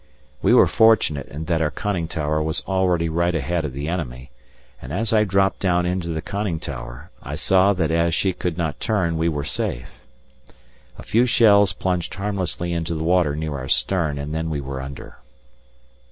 We were fortunate in that our conning tower was already right ahead of the enemy, and as I dropped down into the conning tower, I saw that as she could not turn we were safe. A few shells plunged harmlessly into the water near our stern, and then we were under.